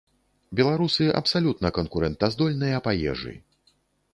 Беларусы абсалютна канкурэнтаздольныя па ежы.